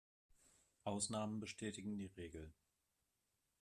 Ausnahmen bestätigen die Regel.